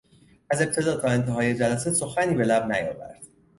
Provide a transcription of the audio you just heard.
از ابتدا تا انتهای جلسه سخنی به لب نیاورد.